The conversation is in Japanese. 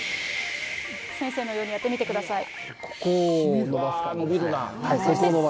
先生のようにやってみてください。